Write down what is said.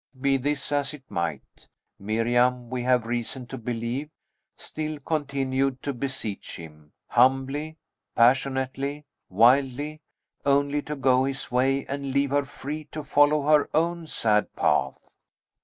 Be this as it might, Miriam, we have reason to believe, still continued to beseech him, humbly, passionately, wildly, only to go his way, and leave her free to follow her own sad path.